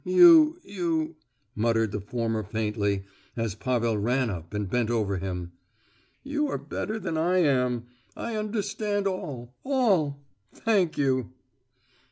"You—you—" muttered the former faintly, as Pavel ran up and bent over him, "you are better than I am. I understand all—all—thank you!"